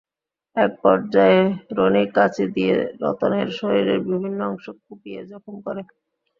একপর্যায়ে রনি কাঁচি দিয়ে রতনের শরীরের বিভিন্ন অংশ কুপিয়ে জখম করে।